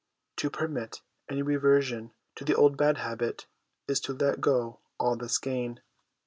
To permit any reversion to the old bad habit is to let go all this gain.